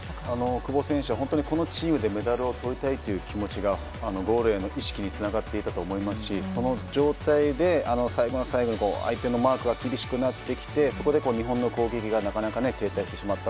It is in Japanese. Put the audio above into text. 久保選手、本当にこのチームでメダルをとりたいという気持ちがゴールへの意識につながっていたと思いますしその状態で最後の最後に相手のマークが厳しくなってきてそこで日本の攻撃がなかなか停滞してしまった。